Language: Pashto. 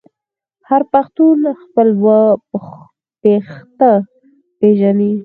هر پښتون خپل اوه پيښته پیژني.